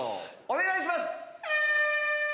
お願いします。